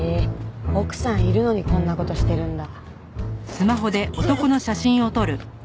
奥さんいるのにこんな事してるんだ。